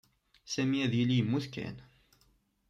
Sami ad yili yemmut kan.